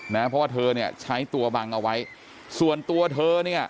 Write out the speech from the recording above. เพราะว่าเธอใช้ตัวบังเอาไว้ส่วนตัวเธอ